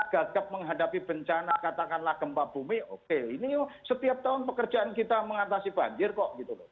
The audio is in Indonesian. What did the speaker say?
kalau kita gagap menghadapi bencana katakanlah gempa bumi oke ini setiap tahun pekerjaan kita mengatasi banjir kok